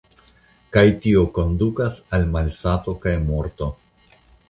Kaj tio kondukas al malsato kaj morto.